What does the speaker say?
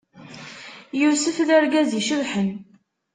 Yusef, d argaz icebḥen.